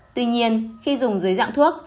tuy nhiên khi dùng dưới dạng thuốc